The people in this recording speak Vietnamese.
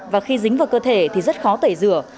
và khi dính vào cơ thể thì rất khó tẩy rửa